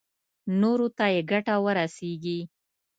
نورو ته يې ګټه ورسېږي.